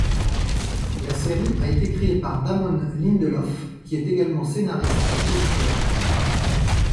La série a été créée par Damon Lindelof, qui est également scénariste et producteur.